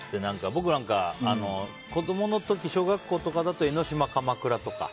僕なんか子供の時小学校とかだと江の島、鎌倉とか。